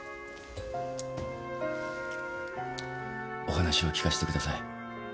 お話を聞かせてください。